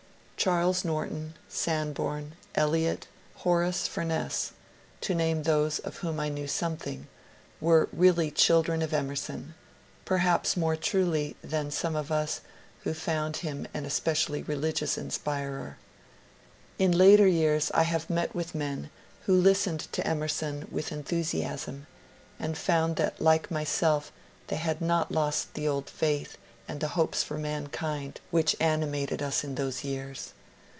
Charles Norton, Sanborn, Eliot, Horace Fumess — to name those of whom I knew something — were reaUy children of Emerson, perhaps more truly than some of us who found him an especiaUy religious inspirer. In later years I have met with men who listened to Emerson with enthusiasm, and found that like myself they had lost the old faith and the hopes for mankind which animated us in those years.